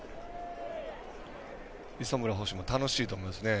磯村捕手も楽しいと思いますね。